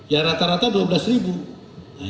ya rata rata dua belas ribu